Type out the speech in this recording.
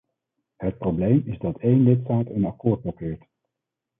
Het probleem is dat één lidstaat een akkoord blokkeert.